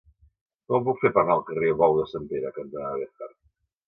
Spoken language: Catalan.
Com ho puc fer per anar al carrer Bou de Sant Pere cantonada Béjar?